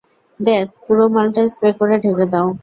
ব্যস পুরো মালটা স্প্রে করে ঢেকে দাও।